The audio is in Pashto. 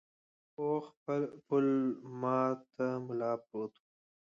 پوخ پل ماته ملا پروت و.